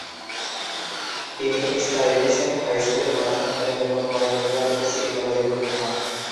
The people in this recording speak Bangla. তিনি স্টাইভেসেন্ট হাই স্কুলে পড়াশোনা করেন এবং পরে নিউ ইয়র্কের সিটি কলেজে ভর্তি হন।